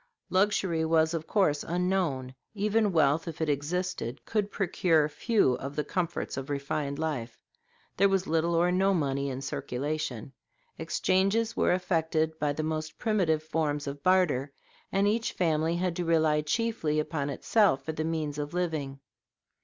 Luxury was, of course, unknown; even wealth, if it existed, could procure few of the comforts of refined life. There was little or no money in circulation. Exchanges were effected by the most primitive forms of barter, and each family had to rely chiefly upon itself for the means of living.